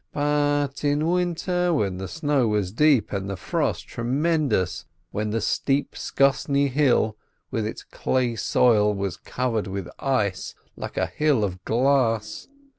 But in winter, when the snow was deep and the frost tremendous, when the steep Skossny hill with its clay soil was covered with ice like a hill of glass